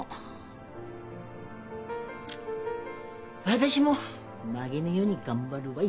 私も負げねえように頑張るわい。